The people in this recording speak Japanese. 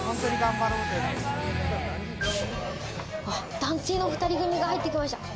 男性の２人組が入ってきました。